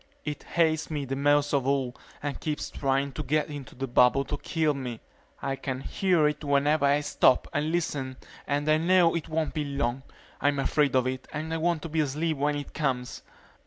It hates me the most of all and keeps trying to get into the bubble to kill me. I can hear it whenever I stop and listen and I know it won't be long. I'm afraid of it and I want to be asleep when it comes.